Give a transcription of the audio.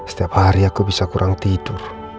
setiap hari aku bisa kurang tidur